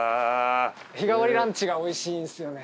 日替わりランチがおいしいんですよね。